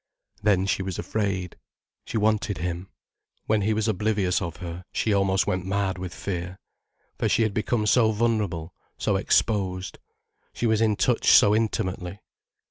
Then she was afraid. She wanted him. When he was oblivious of her, she almost went mad with fear. For she had become so vulnerable, so exposed. She was in touch so intimately.